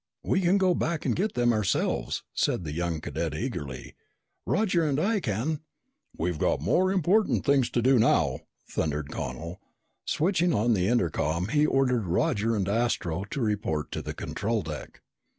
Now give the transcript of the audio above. "We can go back and get them ourselves," said the young cadet eagerly. "Roger and I can " "We've got more important things to do now!" thundered Connel. Switching on the intercom, he ordered Roger and Astro to report to the control deck.